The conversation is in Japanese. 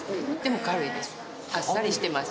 ・あっさりしてます。